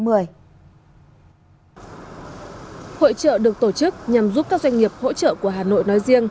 hội trợ được tổ chức nhằm giúp các doanh nghiệp hỗ trợ của hà nội nói riêng